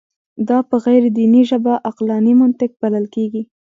دا په غیر دیني ژبه عقلاني منطق بلل کېږي.